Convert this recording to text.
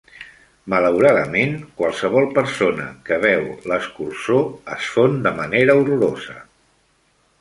Malauradament, qualsevol persona que beu l'escurçó es fon de manera horrorosa.